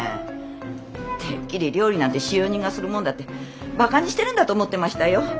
てっきり料理なんて使用人がするもんだってバカにしてるんだと思ってましたよ。